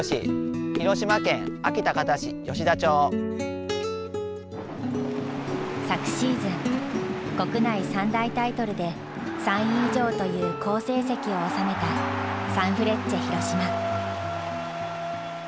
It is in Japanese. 広島県安芸高田市吉田町。昨シーズン国内３大タイトルで３位以上という好成績を収めたサンフレッチェ広島。